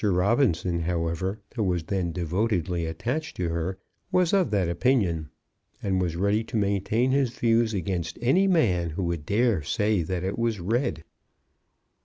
Robinson, however, who was then devotedly attached to her, was of that opinion, and was ready to maintain his views against any man who would dare to say that it was red.